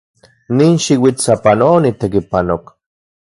Nin xiuitl sapanoa onitekipanok.